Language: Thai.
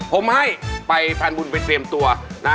ผมให้ไปแฟนบุญไปเตรียมตัวนะ